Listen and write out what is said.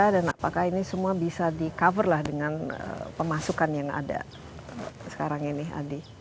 dan apakah ini semua bisa di cover lah dengan pemasukan yang ada sekarang ini adi